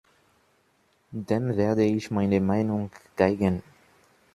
Dem werde ich meine Meinung geigen.